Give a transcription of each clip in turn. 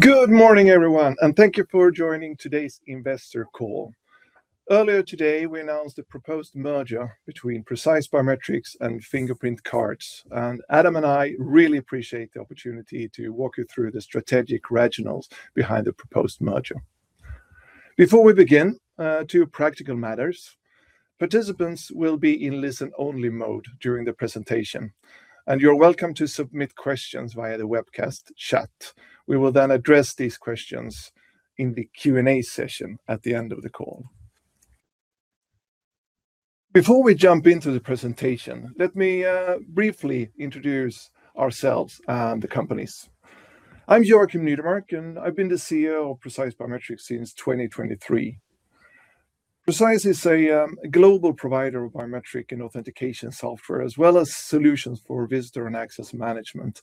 Good morning everyone and thank you for joining today's investor call. Earlier today, we announced a proposed merger between Precise Biometrics and Fingerprint Cards. Adam and I really appreciate the opportunity to walk you through the strategic rationales behind the proposed merger. Before we begin, two practical matters. Participants will be in listen-only mode during the presentation, and you're welcome to submit questions via the webcast chat. We will then address these questions in the Q&A session at the end of the call. Before we jump into the presentation, let me briefly introduce ourselves and the companies. I'm Joakim Nydemark, and I've been the CEO of Precise Biometrics since 2023. Precise is a global provider of biometric and authentication software, as well as solutions for visitor and access management.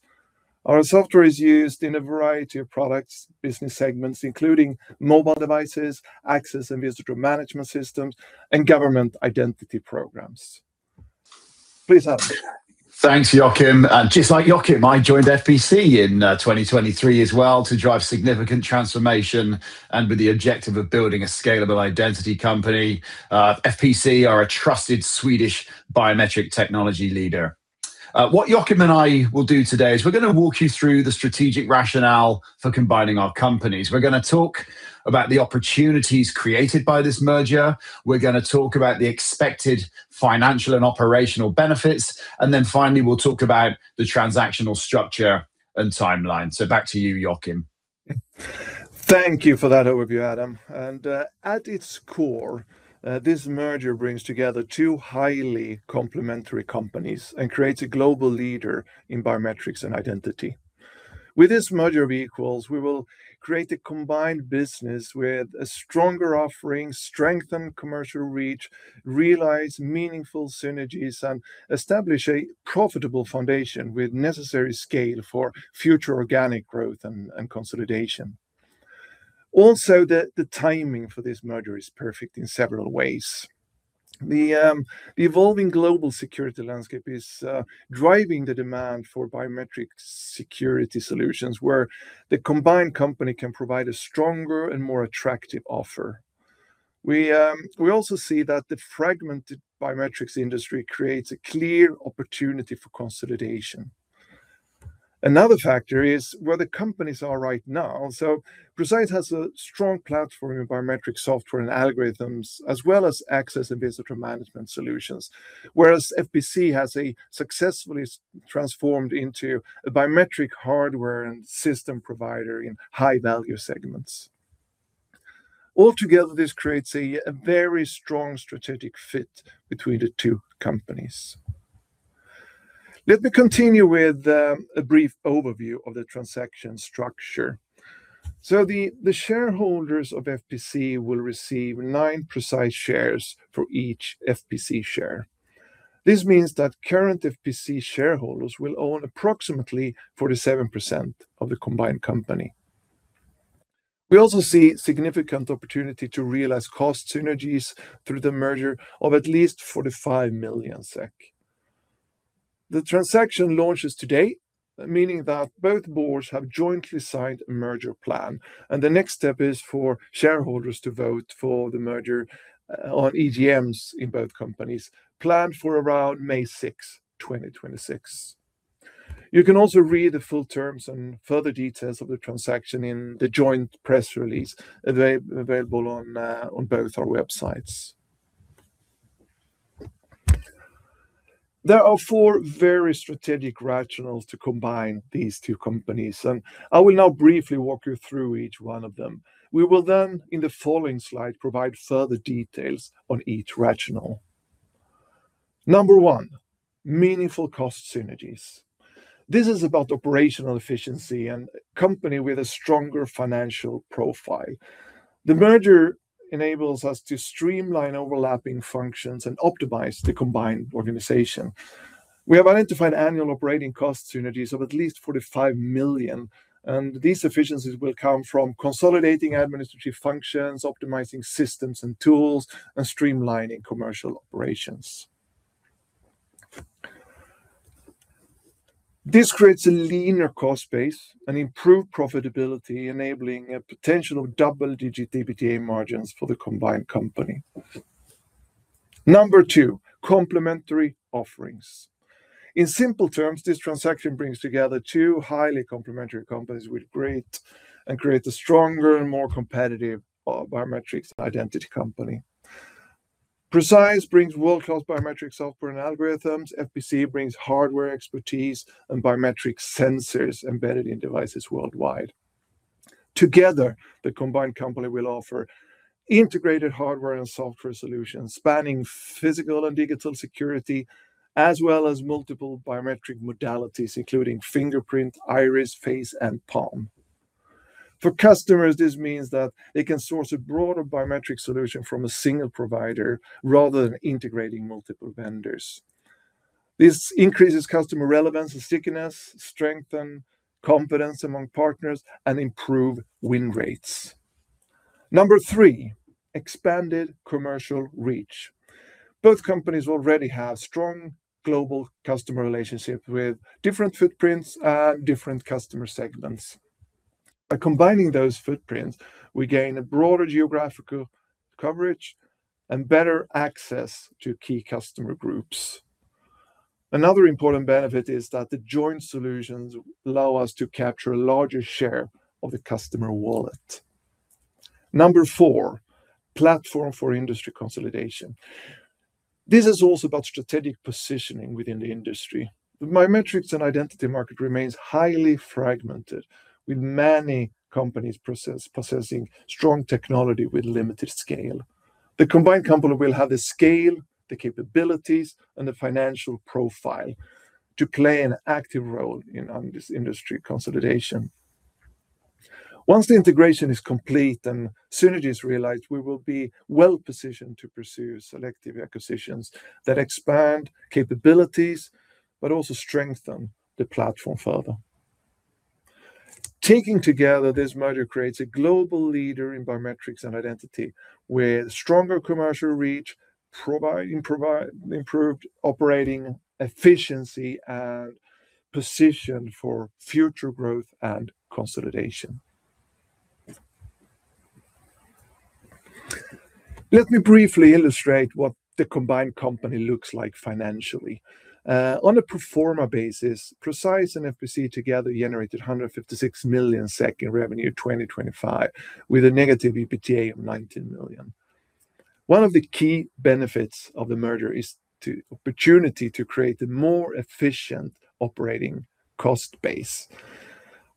Our software is used in a variety of products, business segments, including mobile devices, access and visitor management systems, and government identity programs. Please, Adam. Thanks, Joakim. Just like Joakim, I joined FPC in 2023 as well to drive significant transformation and with the objective of building a scalable identity company. FPC are a trusted Swedish biometric technology leader. What Joakim and I will do today is we're gonna walk you through the strategic rationale for combining our companies. We're gonna talk about the opportunities created by this merger, we're gonna talk about the expected financial and operational benefits, and then finally, we'll talk about the transactional structure and timeline. Back to you, Joakim. Thank you for that overview, Adam. At its core, this merger brings together two highly complementary companies and creates a global leader in biometrics and identity. With this merger of equals, we will create a combined business with a stronger offering, strengthen commercial reach, realize meaningful synergies, and establish a profitable foundation with necessary scale for future organic growth and consolidation. Also, the timing for this merger is perfect in several ways. The evolving global security landscape is driving the demand for biometric security solutions, where the combined company can provide a stronger and more attractive offer. We also see that the fragmented biometrics industry creates a clear opportunity for consolidation. Another factor is where the companies are right now. Precise has a strong platform in biometric software and algorithms, as well as access and visitor management solutions, whereas FPC has successfully transformed into a biometric hardware and system provider in high value segments. Altogether, this creates a very strong strategic fit between the two companies. Let me continue with a brief overview of the transaction structure. The shareholders of FPC will receive nine Precise shares for each FPC share. This means that current FPC shareholders will own approximately 47% of the combined company. We also see significant opportunity to realize cost synergies through the merger of at least 45 million SEK. The transaction launches today, meaning that both boards have jointly signed a merger plan, and the next step is for shareholders to vote for the merger on EGMs in both companies, planned for around May 6, 2026. You can also read the full terms and further details of the transaction in the joint press release available on both our websites. There are four very strategic rationales to combine these two companies, and I will now briefly walk you through each one of them. We will then, in the following slide, provide further details on each rationale. Number one, meaningful cost synergies. This is about operational efficiency and company with a stronger financial profile. The merger enables us to streamline overlapping functions and optimize the combined organization. We have identified annual operating cost synergies of at least 45 million, and these efficiencies will come from consolidating administrative functions, optimizing systems and tools, and streamlining commercial operations. This creates a leaner cost base and improved profitability, enabling a potential of double-digit EBITDA margins for the combined company. Number two, complementary offerings. In simple terms, this transaction brings together two highly complementary companies and creates a stronger and more competitive biometrics identity company. Precise brings world-class biometric software and algorithms. FPC brings hardware expertise and biometric sensors embedded in devices worldwide. Together, the combined company will offer integrated hardware and software solutions spanning physical and digital security, as well as multiple biometric modalities, including fingerprint, iris, face, and palm. For customers, this means that they can source a broader biometric solution from a single provider rather than integrating multiple vendors. This increases customer relevance and stickiness, strengthen confidence among partners, and improve win rates. Number three, expanded commercial reach. Both companies already have strong global customer relationships with different footprints and different customer segments. By combining those footprints, we gain a broader geographical coverage and better access to key customer groups. Another important benefit is that the joint solutions allow us to capture a larger share of the customer wallet. Number four, platform for industry consolidation. This is also about strategic positioning within the industry. The biometrics and identity market remains highly fragmented, with many companies possessing strong technology with limited scale. The combined company will have the scale, the capabilities, and the financial profile to play an active role in on this industry consolidation. Once the integration is complete and synergies realized, we will be well-positioned to pursue selective acquisitions that expand capabilities but also strengthen the platform further. Taken together, this merger creates a global leader in biometrics and identity with stronger commercial reach, improved operating efficiency and position for future growth and consolidation. Let me briefly illustrate what the combined company looks like financially. On a pro forma basis, Precise and FPC together generated 156 million SEK in revenue 2025, with a negative EBITDA of 19 million. One of the key benefits of the merger is opportunity to create a more efficient operating cost base.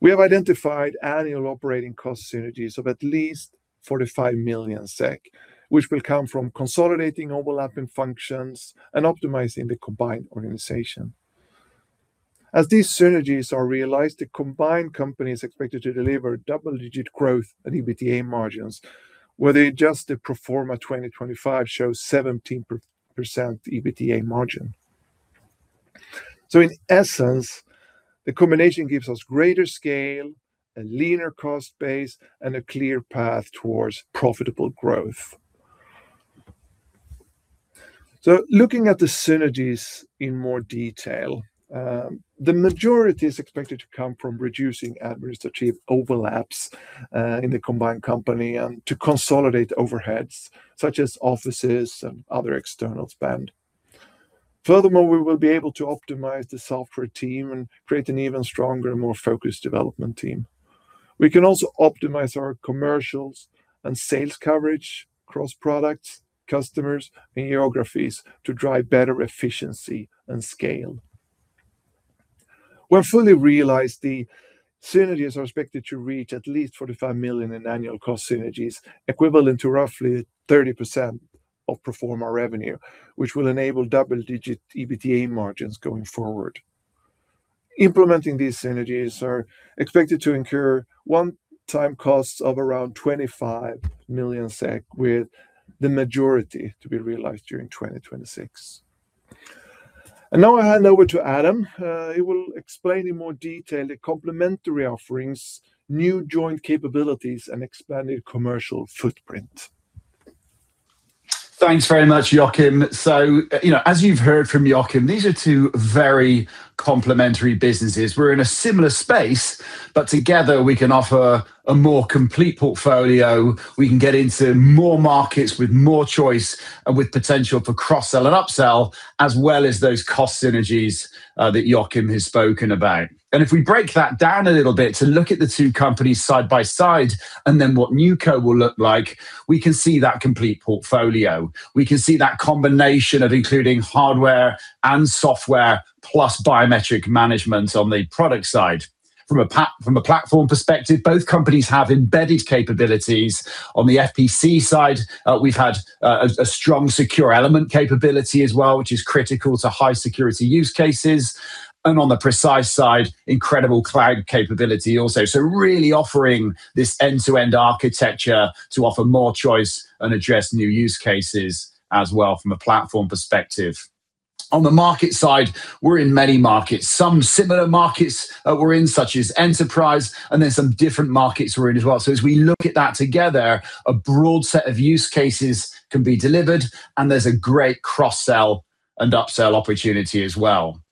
We have identified annual operating cost synergies of at least 45 million SEK, which will come from consolidating overlapping functions and optimizing the combined organization. As these synergies are realized, the combined company is expected to deliver double-digit growth and EBITDA margins, where the adjusted pro forma 2025 shows 17% EBITDA margin. In essence, the combination gives us greater scale, a leaner cost base, and a clear path towards profitable growth. Looking at the synergies in more detail, the majority is expected to come from reducing administrative overlaps in the combined company and to consolidate overheads such as offices and other external spend. Furthermore, we will be able to optimize the software team and create an even stronger, more focused development team. We can also optimize our commercials and sales coverage across products, customers, and geographies to drive better efficiency and scale. When fully realized, the synergies are expected to reach at least 45 million in annual cost synergies, equivalent to roughly 30% of pro forma revenue, which will enable double-digit EBITDA margins going forward. Implementing these synergies are expected to incur one-time costs of around 25 million SEK, with the majority to be realized during 2026. Now I hand over to Adam. He will explain in more detail the complementary offerings, new joint capabilities, and expanded commercial footprint. Thanks very much, Joakim. You know, as you've heard from Joakim, these are two very complementary businesses. We're in a similar space, but together we can offer a more complete portfolio, we can get into more markets with more choice and with potential for cross-sell and upsell, as well as those cost synergies that Joakim has spoken about. If we break that down a little bit to look at the two companies side by side and then what NewCo will look like, we can see that complete portfolio. We can see that combination of including hardware and software, plus biometric management on the product side. From a platform perspective, both companies have embedded capabilities. On the FPC side, we've had a strong secure element capability as well, which is critical to high security use cases. On the Precise side, incredible cloud capability also. Really offering this end-to-end architecture to offer more choice and address new use cases as well from a platform perspective. On the market side, we're in many markets. Some similar markets, we're in, such as enterprise, and then some different markets we're in as well. As we look at that together, a broad set of use cases can be delivered, and there's a great cross-sell and upsell opportunity as well.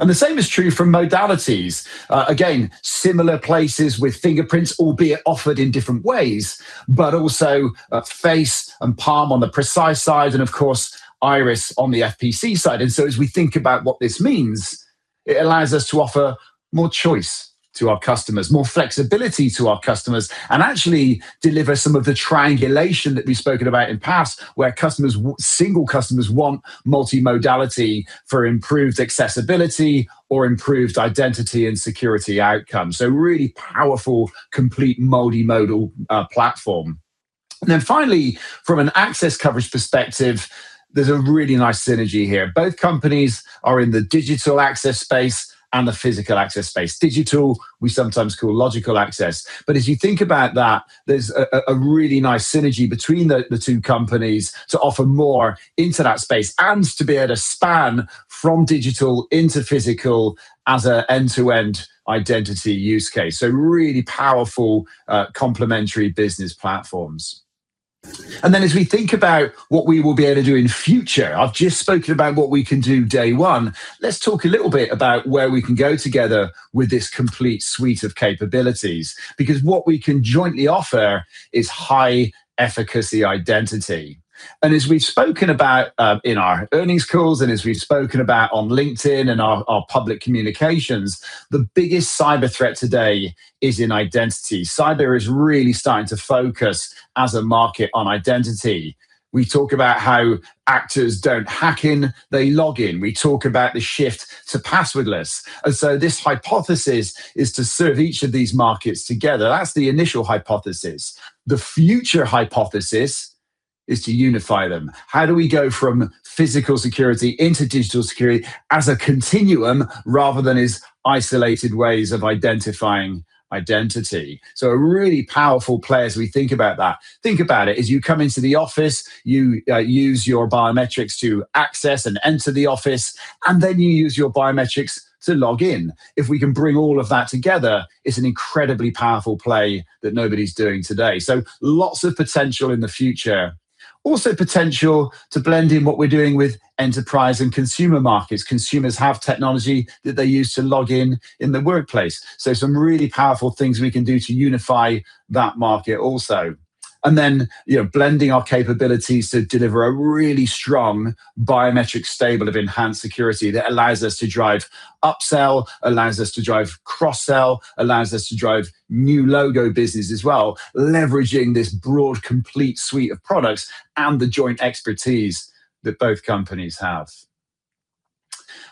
The same is true for modalities. Again, similar places with fingerprints, albeit offered in different ways, but also, face and palm on the Precise side and of course, iris on the FPC side. As we think about what this means, it allows us to offer more choice to our customers, more flexibility to our customers, and actually deliver some of the triangulation that we've spoken about in past, where customers single customers want multimodality for improved accessibility or improved identity and security outcomes. Really powerful, complete multimodal platform. Finally, from an access coverage perspective, there's a really nice synergy here. Both companies are in the digital access space and the physical access space. Digital we sometimes call logical access. As you think about that, there's a really nice synergy between the two companies to offer more into that space and to be able to span from digital into physical as an end-to-end identity use case. Really powerful, complementary business platforms. Then as we think about what we will be able to do in future, I've just spoken about what we can do day one. Let's talk a little bit about where we can go together with this complete suite of capabilities, because what we can jointly offer is high efficacy identity. As we've spoken about in our earnings calls and as we've spoken about on LinkedIn and our public communications, the biggest cyber threat today is in identity. Cyber is really starting to focus as a market on identity. We talk about how actors don't hack in, they log in. We talk about the shift to passwordless. This hypothesis is to serve each of these markets together. That's the initial hypothesis. The future hypothesis is to unify them. How do we go from physical security into digital security as a continuum rather than as isolated ways of identifying identity? A really powerful play as we think about that. Think about it, as you come into the office, you use your biometrics to access and enter the office, and then you use your biometrics to log in. If we can bring all of that together, it's an incredibly powerful play that nobody's doing today. Lots of potential in the future. Also, potential to blend in what we're doing with enterprise and consumer markets. Consumers have technology that they use to log in in the workplace, so some really powerful things we can do to unify that market also. Then, you know, blending our capabilities to deliver a really strong biometric stable of enhanced security that allows us to drive upsell, allows us to drive cross-sell, allows us to drive new logo business as well, leveraging this broad, complete suite of products and the joint expertise that both companies have.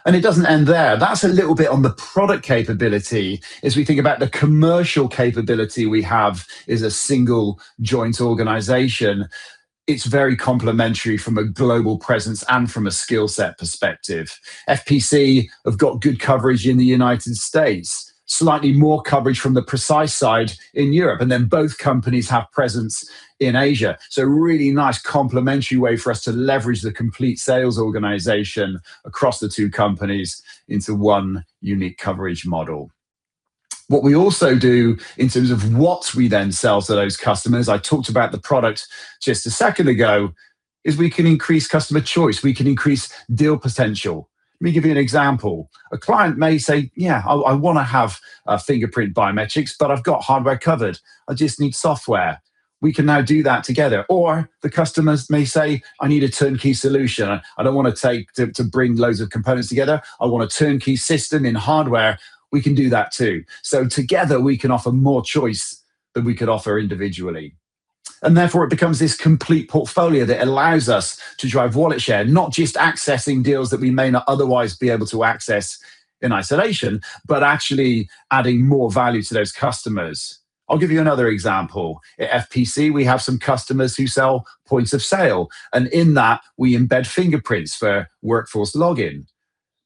It doesn't end there. That's a little bit on the product capability. As we think about the commercial capability we have as a single joint organization, it's very complementary from a global presence and from a skill set perspective. FPC have got good coverage in the United States, slightly more coverage from the Precise side in Europe, and then both companies have presence in Asia. A really nice complementary way for us to leverage the complete sales organization across the two companies into one unique coverage model. What we also do in terms of what we then sell to those customers, I talked about the product just a second ago, is we can increase customer choice, we can increase deal potential. Let me give you an example. A client may say, "Yeah, I wanna have fingerprint biometrics, but I've got hardware covered. I just need software." We can now do that together. Or the customers may say, "I need a turnkey solution. I don't wanna bring loads of components together. I want a turnkey system in hardware." We can do that too. Together we can offer more choice than we could offer individually. Therefore it becomes this complete portfolio that allows us to drive wallet share, not just accessing deals that we may not otherwise be able to access in isolation, but actually adding more value to those customers. I'll give you another example. At FPC, we have some customers who sell points of sale, and in that we embed fingerprints for workforce login.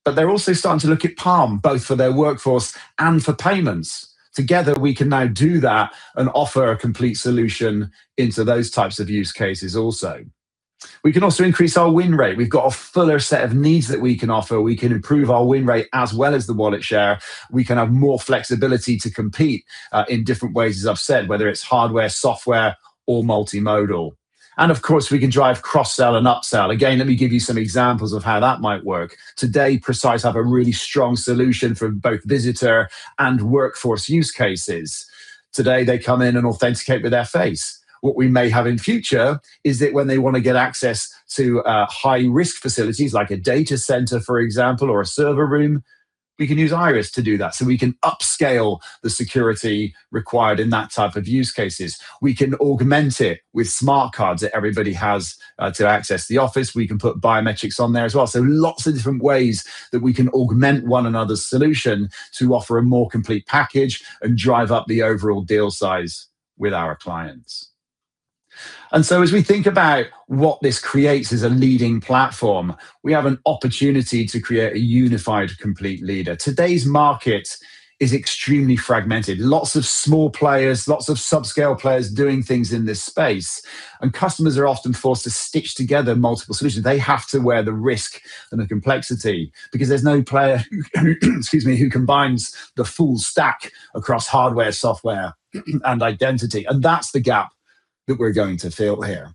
But they're also starting to look at palm, both for their workforce and for payments. Together we can now do that and offer a complete solution into those types of use cases also. We can also increase our win rate. We've got a fuller set of needs that we can offer. We can improve our win rate as well as the wallet share. We can have more flexibility to compete, in different ways, as I've said, whether it's hardware, software, or multimodal. Of course, we can drive cross-sell and upsell. Again, let me give you some examples of how that might work. Today, Precise have a really strong solution for both visitor and workforce use cases. Today they come in and authenticate with their face. What we may have in future is that when they wanna get access to high-risk facilities, like a data center, for example, or a server room, we can use Iris to do that. We can upscale the security required in that type of use cases. We can augment it with smart cards that everybody has to access the office. We can put biometrics on there as well. Lots of different ways that we can augment one another's solution to offer a more complete package and drive up the overall deal size with our clients. As we think about what this creates as a leading platform, we have an opportunity to create a unified complete leader. Today's market is extremely fragmented. Lots of small players, lots of subscale players doing things in this space, and customers are often forced to stitch together multiple solutions. They have to wear the risk and the complexity because there's no player, excuse me, who combines the full stack across hardware, software, and identity. That's the gap that we're going to fill here.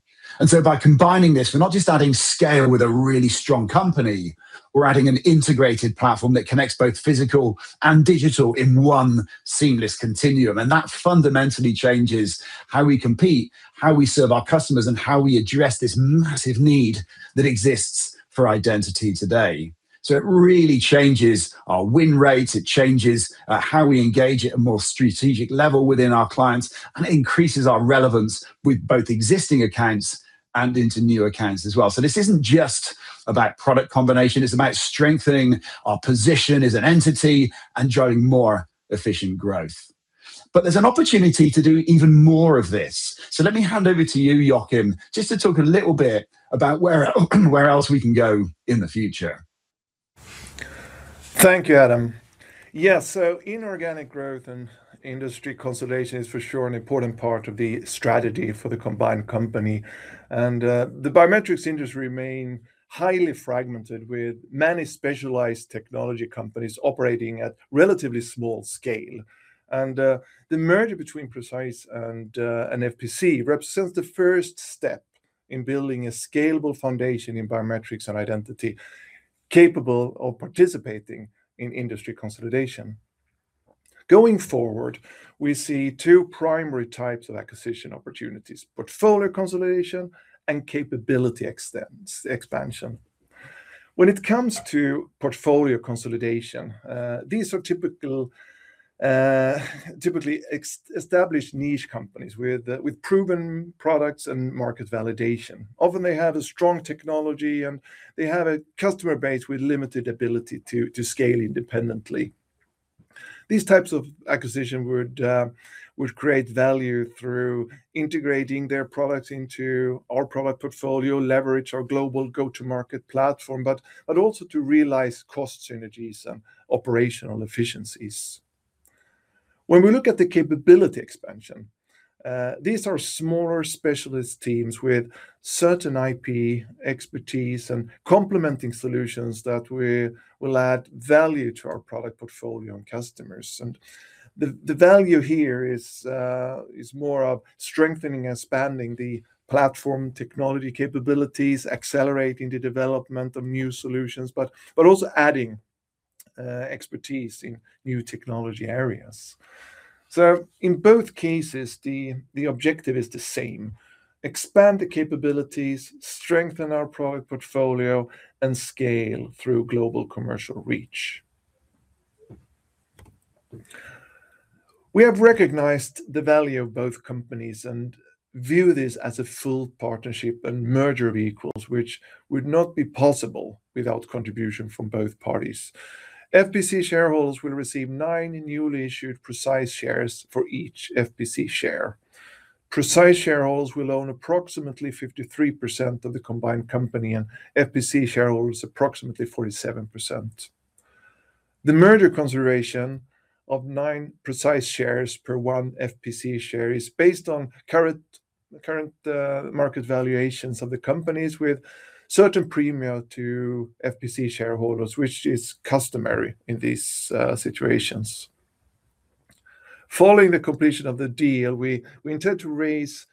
By combining this, we're not just adding scale with a really strong company, we're adding an integrated platform that connects both physical and digital in one seamless continuum. That fundamentally changes how we compete, how we serve our customers, and how we address this massive need that exists for identity today. It really changes our win rate, it changes how we engage at a more strategic level within our clients, and it increases our relevance with both existing accounts and into new accounts as well. This isn't just about product combination, it's about strengthening our position as an entity and driving more efficient growth. There's an opportunity to do even more of this. Let me hand over to you, Joakim, just to talk a little bit about where else we can go in the future. Thank you, Adam. Yeah. Inorganic growth and industry consolidation is for sure an important part of the strategy for the combined company. The biometrics industry remain highly fragmented with many specialized technology companies operating at relatively small scale. The merger between Precise and FPC represents the first step in building a scalable foundation in biometrics and identity capable of participating in industry consolidation. Going forward, we see two primary types of acquisition opportunities, portfolio consolidation and capability expansion. When it comes to portfolio consolidation, these are typically established niche companies with proven products and market validation. Often they have a strong technology, and they have a customer base with limited ability to scale independently. These types of acquisition would create value through integrating their products into our product portfolio, leverage our global go-to-market platform, but also to realize cost synergies and operational efficiencies. When we look at the capability expansion, these are smaller specialist teams with certain IP expertise and complementing solutions that we will add value to our product portfolio and customers. The value here is more of strengthening expanding the platform technology capabilities, accelerating the development of new solutions, but also adding expertise in new technology areas. In both cases, the objective is the same, expand the capabilities, strengthen our product portfolio, and scale through global commercial reach. We have recognized the value of both companies and view this as a full partnership and merger of equals, which would not be possible without contribution from both parties. FPC shareholders will receive nine newly issued Precise shares for each FPC share. Precise shareholders will own approximately 53% of the combined company, and FPC shareholders, approximately 47%. The merger consideration of 9 Precise shares per one FPC share is based on current market valuations of the companies with certain premium to FPC shareholders, which is customary in these situations. Following the completion of the deal, we intend to raise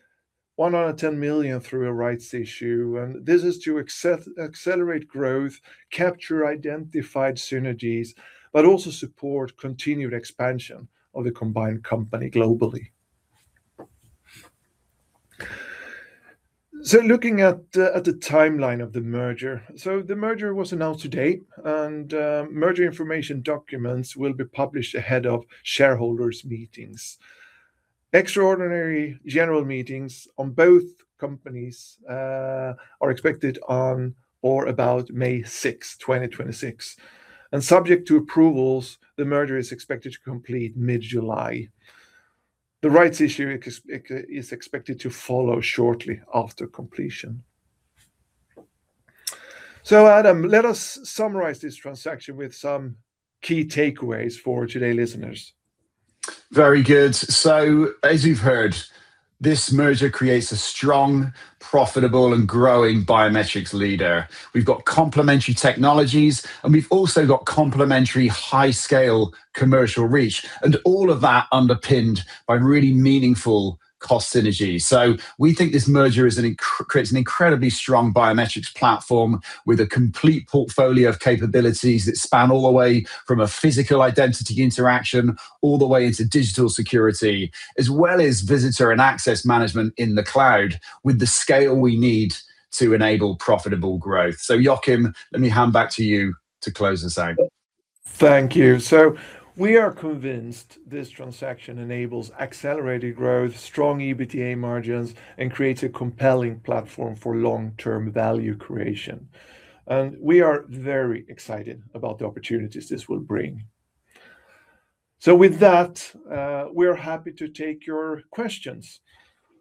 110 million through a rights issue, and this is to accelerate growth, capture identified synergies, but also support continued expansion of the combined company globally. Looking at the timeline of the merger. The merger was announced today, and merger information documents will be published ahead of shareholders' meetings. Extraordinary general meetings on both companies are expected on or about May 6, 2026. Subject to approvals, the merger is expected to complete mid-July. The rights issue is expected to follow shortly after completion. Adam, let us summarize this transaction with some key takeaways for today's listeners. Very good. As you've heard, this merger creates a strong, profitable, and growing biometrics leader. We've got complementary technologies, and we've also got complementary high scale commercial reach, and all of that underpinned by really meaningful cost synergies. We think this merger creates an incredibly strong biometrics platform with a complete portfolio of capabilities that span all the way from a physical identity interaction all the way into digital security, as well as visitor and access management in the cloud with the scale we need to enable profitable growth. Joakim, let me hand back to you to close this out. Thank you. We are convinced this transaction enables accelerated growth, strong EBITDA margins, and creates a compelling platform for long-term value creation. We are very excited about the opportunities this will bring. With that, we're happy to take your questions.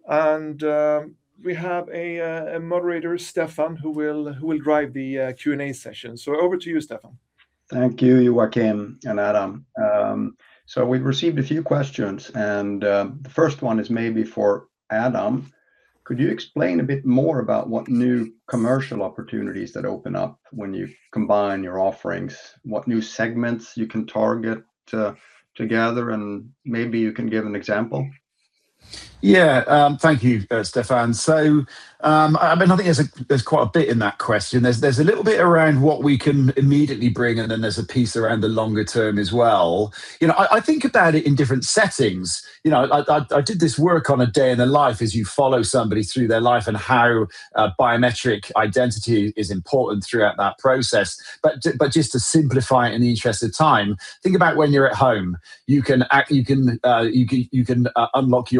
We have a moderator, Stefan, who will drive the Q&A session. Over to you, Stefan. Thank you, Joakim and Adam. So we've received a few questions, and the first one is maybe for Adam. Could you explain a bit more about what new commercial opportunities that open up when you combine your offerings? What new segments you can target together, and maybe you can give an example. Yeah. Thank you, Stefan. I mean, I think there's quite a bit in that question. There's a little bit around what we can immediately bring, and then there's a piece around the longer term as well. You know, I did this work on a day in the life as you follow somebody through their life and how biometric identity is important throughout that process. But just to simplify it in the interest of time, think about when you're at home. You can unlock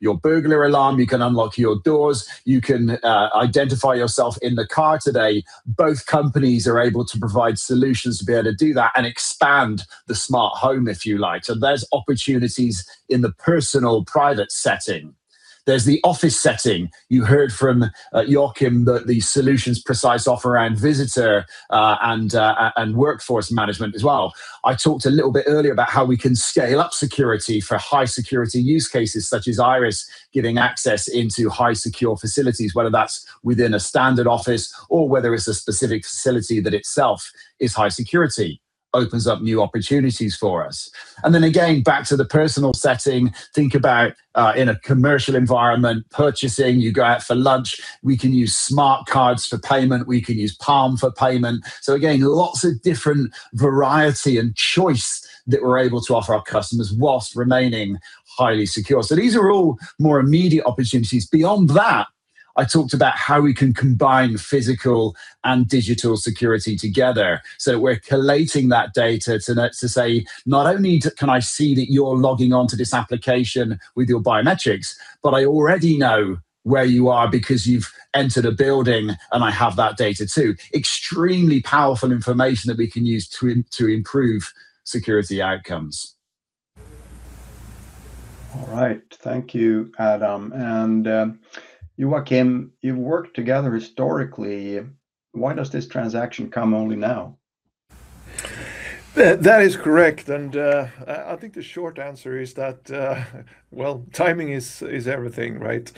your burglar alarm, you can unlock your doors, you can identify yourself in the car today. Both companies are able to provide solutions to be able to do that and expand the smart home, if you like. There's opportunities in the personal private setting. There's the office setting. You heard from Joakim that the solutions Precise offer around visitor and workforce management as well. I talked a little bit earlier about how we can scale up security for high security use cases such as iris giving access into high secure facilities, whether that's within a standard office or whether it's a specific facility that itself is high security opens up new opportunities for us. Then again, back to the personal setting, think about in a commercial environment, purchasing, you go out for lunch, we can use smart cards for payment, we can use palm for payment. Again, lots of different variety and choice that we're able to offer our customers while remaining highly secure. These are all more immediate opportunities. Beyond that, I talked about how we can combine physical and digital security together. We're collating that data to now, to say, "Not only can I see that you're logging onto this application with your biometrics, but I already know where you are because you've entered a building and I have that data too." Extremely powerful information that we can use to improve security outcomes. All right. Thank you, Adam. Joakim, you've worked together historically, why does this transaction come only now? That is correct. I think the short answer is that, well, timing is everything, right?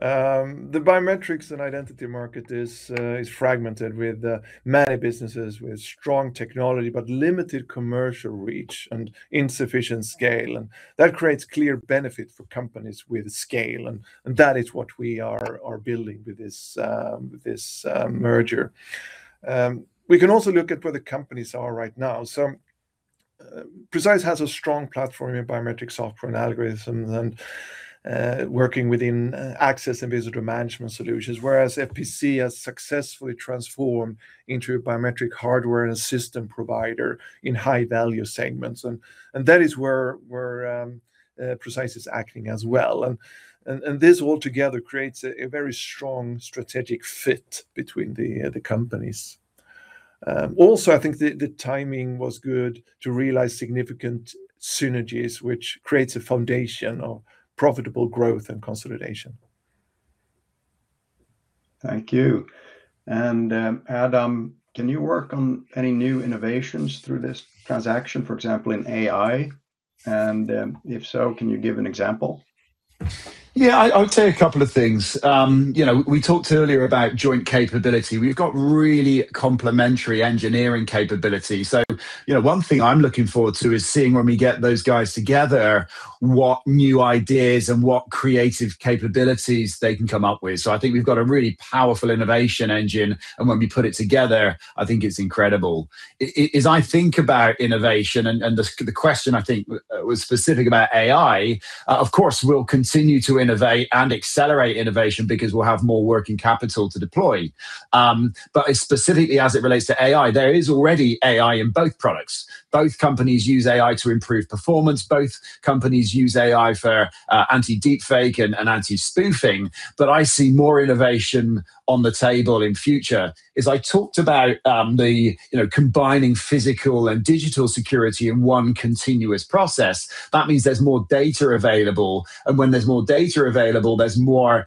The biometrics and identity market is fragmented with many businesses with strong technology, but limited commercial reach and insufficient scale, and that creates clear benefit for companies with scale, and that is what we are building with this merger. We can also look at where the companies are right now. Precise has a strong platform in biometric software and algorithms and working within access and visitor management solutions. Whereas FPC has successfully transformed into biometric hardware and system provider in high value segments. This all together creates a very strong strategic fit between the companies. Also I think the timing was good to realize significant synergies, which creates a foundation of profitable growth and consolidation. Thank you. Adam, can you work on any new innovations through this transaction, for example, in AI? If so, can you give an example? Yeah. I would say a couple of things. You know, we talked earlier about joint capability. We've got really complementary engineering capability. You know, one thing I'm looking forward to is seeing when we get those guys together, what new ideas and what creative capabilities they can come up with. I think we've got a really powerful innovation engine, and when we put it together, I think it's incredible. I as I think about innovation and the question I think was specific about AI, of course we'll continue to innovate and accelerate innovation because we'll have more working capital to deploy. Specifically as it relates to AI, there is already AI in both products. Both companies use AI to improve performance. Both companies use AI for anti-deepfake and anti-spoofing. I see more innovation on the table in the future as I talked about, you know, combining physical and digital security in one continuous process. That means there's more data available, and when there's more data available, there's more,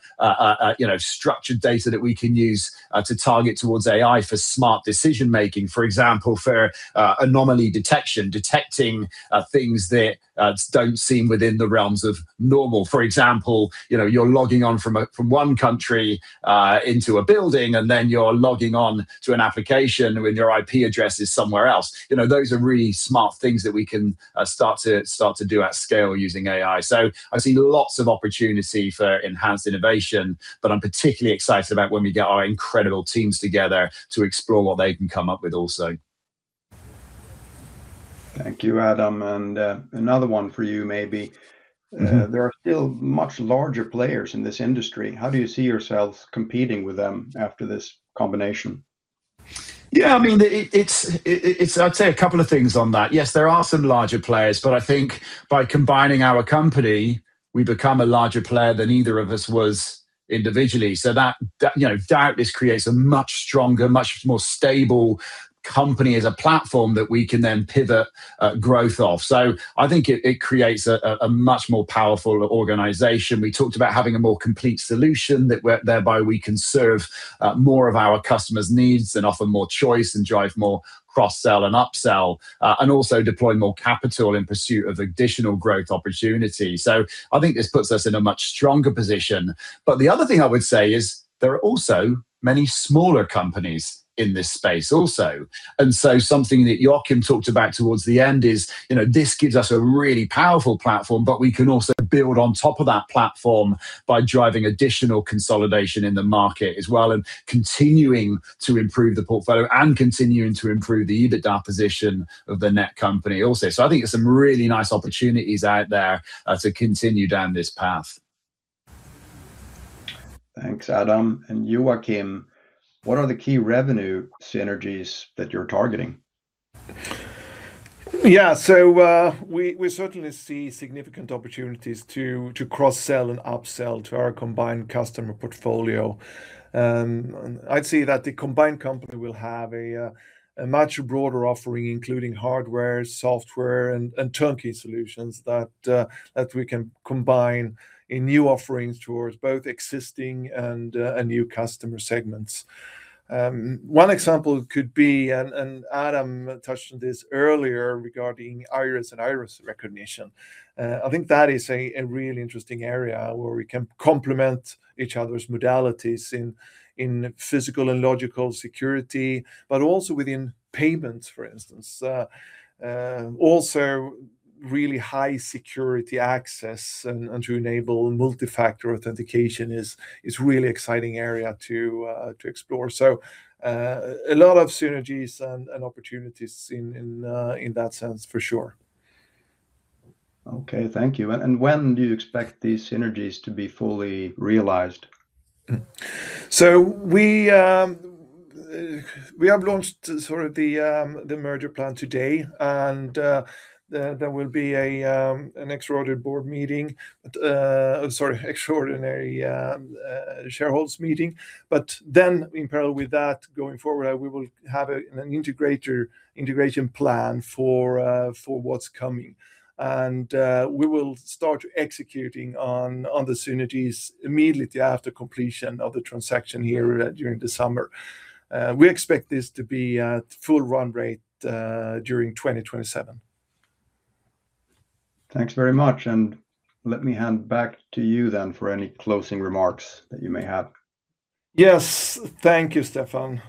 you know, structured data that we can use to target towards AI for smart decision-making. For example, for anomaly detection, detecting things that don't seem within the realms of normal. For example, you know, you're logging on from one country into a building, and then you're logging on to an application when your IP address is somewhere else. You know, those are really smart things that we can start to do at scale using AI. I see lots of opportunity for enhanced innovation, but I'm particularly excited about when we get our incredible teams together to explore what they can come up with also. Thank you, Adam. Another one for you maybe. Mm-hmm. There are still much larger players in this industry. How do you see yourself competing with them after this combination? Yeah, I mean, it's. I'd say a couple of things on that. Yes, there are some larger players, but I think by combining our company, we become a larger player than either of us was individually. That, you know, doubtless creates a much stronger, much more stable company as a platform that we can then pivot growth off. I think it creates a much more powerful organization. We talked about having a more complete solution whereby we can serve more of our customers' needs and offer more choice and drive more cross sell and upsell, and also deploy more capital in pursuit of additional growth opportunity. I think this puts us in a much stronger position. The other thing I would say is there are also many smaller companies in this space also. Something that Joakim talked about towards the end is, you know, this gives us a really powerful platform, but we can also build on top of that platform by driving additional consolidation in the market as well, and continuing to improve the portfolio and continuing to improve the EBITDA position of the NewCo also. I think there's some really nice opportunities out there to continue down this path. Thanks, Adam. Joakim, what are the key revenue synergies that you're targeting? Yeah. We certainly see significant opportunities to cross-sell and upsell to our combined customer portfolio. I'd say that the combined company will have a much broader offering, including hardware, software and turnkey solutions that we can combine in new offerings towards both existing and new customer segments. One example could be, and Adam touched on this earlier regarding iris recognition. I think that is a really interesting area where we can complement each other's modalities in physical and logical security, but also within payments, for instance. Also really high security access and to enable multi-factor authentication is really exciting area to explore. A lot of synergies and opportunities in that sense for sure. Okay. Thank you. When do you expect these synergies to be fully realized? We have launched sort of the merger plan today, and there will be an extraordinary shareholders meeting. In parallel with that going forward, we will have an integration plan for what's coming. We will start executing on the synergies immediately after completion of the transaction here during the summer. We expect this to be at full run rate during 2027. Thanks very much. Let me hand back to you then for any closing remarks that you may have. Yes. Thank you, Stefan.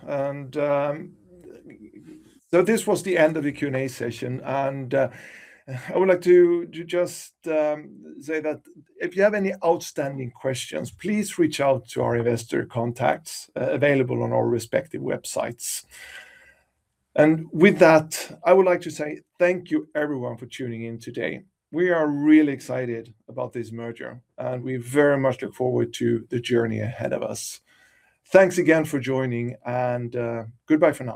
This was the end of the Q&A session. I would like to just say that if you have any outstanding questions, please reach out to our investor contacts available on our respective websites. With that, I would like to say thank you everyone for tuning in today. We are really excited about this merger, and we very much look forward to the journey ahead of us. Thanks again for joining and goodbye for now.